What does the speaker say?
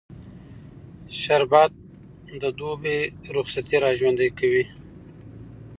شربت د دوبی رخصتي راژوندي کوي